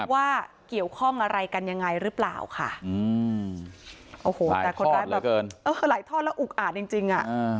ว่าเกี่ยวข้องอะไรกันยังไงหรือเปล่าค่ะหลายทอดแล้วอุ๊กอ่านจริงจริง